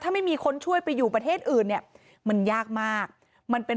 ถ้าไม่มีคนช่วยไปอยู่ประเทศอื่นเนี่ยมันยากมากมันเป็น